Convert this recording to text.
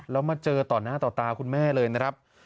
แล้วมาเจอต่อหน้าต่อตาคุณแม่เลยนะครับ